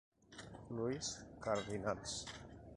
Louis Cardinals".